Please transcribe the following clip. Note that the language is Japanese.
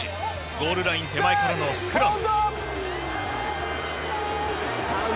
ゴールライン手前からのスクラム。